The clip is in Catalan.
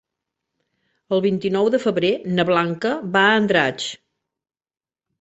El vint-i-nou de febrer na Blanca va a Andratx.